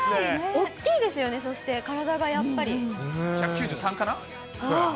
大きいですよね、そして体が１９３かな？